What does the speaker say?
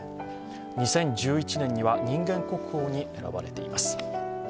２０１１年には人間国宝に選ばれています。